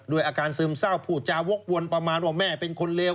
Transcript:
อาการซึมเศร้าพูดจาวกวนประมาณว่าแม่เป็นคนเลว